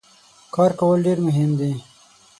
کار کول ډیر مهم دي.